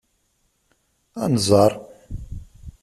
Ad nẓeṛ.